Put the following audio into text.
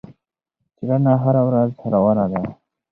څېړنه هره ورځ روانه ده.